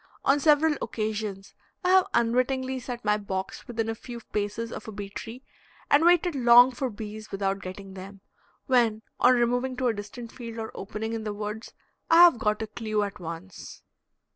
On several occasions I have unwittingly set my box within a few paces of a bee tree and waited long for bees without getting them, when, on removing to a distant field or opening in the woods I have got a clew at once.